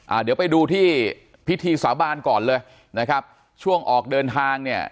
เดี๋ยวไปดูที่พิธีสาบานก่อนเลยนะครับช่วงออกเดินทางเนี่ย